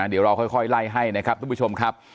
เดี๋ยวเราค่อยไล่ให้นะครับทุกผู้ชมครับ